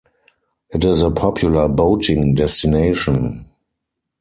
It is a popular boating destination.